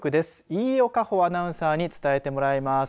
飯尾夏帆アナウンサーに伝えてもらいます。